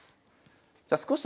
じゃ少し